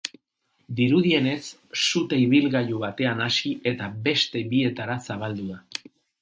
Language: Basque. Dirudienez, sute ibilgailu batean hasi eta eta beste bietara zabaldu da.